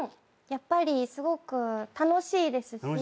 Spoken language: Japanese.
やっぱりすごく楽しいですし。